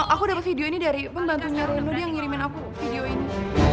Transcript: aku dapet video ini dari pembantunya rindu dia ngirimin aku video ini